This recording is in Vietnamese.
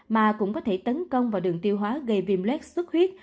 mà cũng có thể tấn công vào đường tiêu hóa gây viêm lét sức huyết